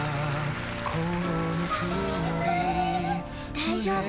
大丈夫。